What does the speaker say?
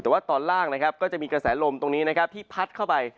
แต่ว่าตอนล่างนะครับก็จะมีกระแสลมตรงนี้นะครับที่พัดเข้าไป